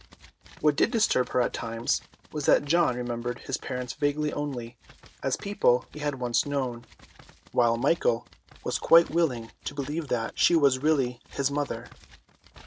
What did disturb her at times was that John remembered his parents vaguely only, as people he had once known, while Michael was quite willing to believe that she was really his mother.